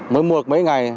mới mua mấy ngày